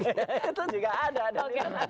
itu juga ada